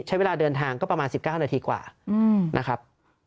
ใช้เวลาเดินทางก็ประมาณ๑๙นาทีกว่านะครับ